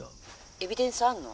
「エビデンスあるの？」。